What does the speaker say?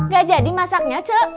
gak jadi masaknya ce